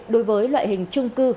đối với loại hình trung cư